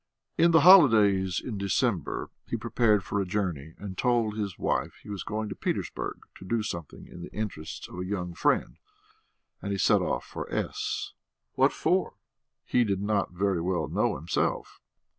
In the holidays in December he prepared for a journey, and told his wife he was going to Petersburg to do something in the interests of a young friend and he set off for S . What for? He did not very well know himself.